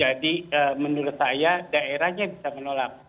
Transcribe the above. jadi menurut saya daerahnya bisa menolak